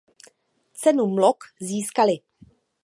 Cenu Mlok získali.